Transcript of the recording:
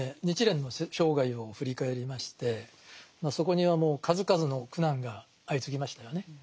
日蓮の生涯を振り返りましてそこにはもう数々の苦難が相次ぎましたよね。